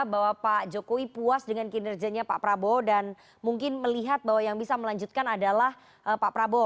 bahwa pak jokowi puas dengan kinerjanya pak prabowo dan mungkin melihat bahwa yang bisa melanjutkan adalah pak prabowo